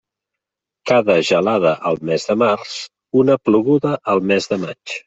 Cada gelada al mes de març, una ploguda al mes de maig.